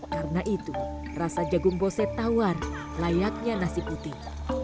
karena itu rasa jagung bose tawar layaknya nasi putih